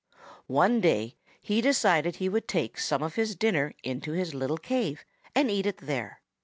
One day he decided he would take some of his dinner into his little cave and eat it there.